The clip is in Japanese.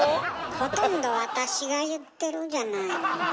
ほとんど私が言ってるじゃないの。